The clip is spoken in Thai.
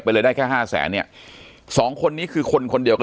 ปากกับภาคภูมิ